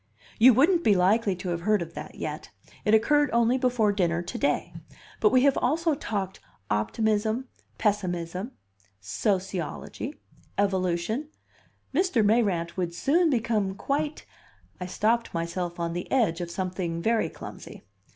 "You wouldn't be likely to have heard of that yet. It occurred only before dinner to day. But we have also talked optimism, pessimism, sociology, evolution Mr. Mayrant would soon become quite " I stopped myself on the edge of something very clumsy.